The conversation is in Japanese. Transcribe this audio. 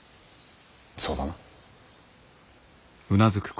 そうだな。